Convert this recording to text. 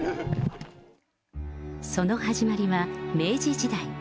その始まりは明治時代。